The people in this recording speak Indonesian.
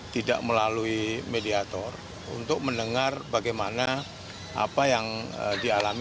tidak melalui mediator untuk mendengar bagaimana apa yang dialami